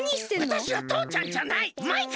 わたしはとうちゃんじゃない！